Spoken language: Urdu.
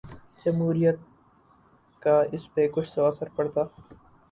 جمہوریت کا اس پہ کچھ تو اثر پڑتا۔